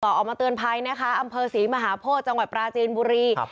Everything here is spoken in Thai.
ออกมาเตือนภัยนะคะอำเภอศรีมหาโพธิจังหวัดปราจีนบุรี